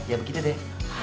ya begitu deh